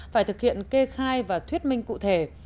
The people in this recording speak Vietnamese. phải thực hiện kê khai và thuyết minh cụ thể